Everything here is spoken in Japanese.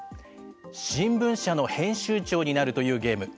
新聞社の編集長になるというゲーム。